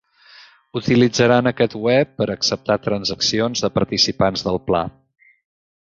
Utilitzaran aquest web per acceptar transaccions de participants del pla.